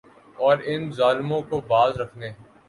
اور ان ظالموں کو باز رکھنے